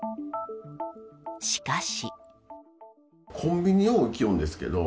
しかし。